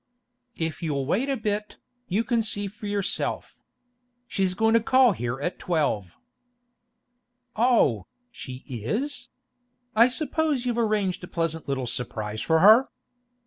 'If you'll wait a bit, you can see for yourself. She's goin' to call here at twelve.' 'Oh, she is? I suppose you've arranged a pleasant little surprise for her?